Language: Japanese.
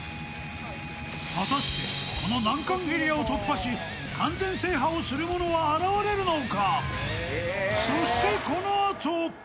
果たしてこの難関エリアを突破し完全制覇をする者は現れるのか？